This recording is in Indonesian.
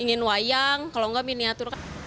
ingin wayang kalau enggak miniatur